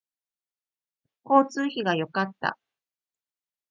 交通費が良かった